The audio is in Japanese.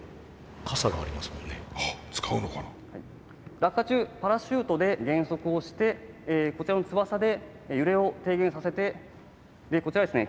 落下中パラシュートで減速をしてこちらの翼で揺れを低減させてこちらですね